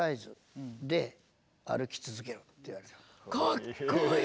かっこいい！